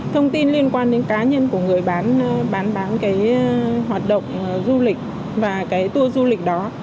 thông tin liên quan đến cá nhân của người bán bán cái hoạt động du lịch và cái tour du lịch đó